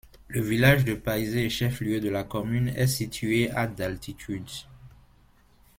Le village de Peisey, chef-lieu de la commune, est situé à d'altitude.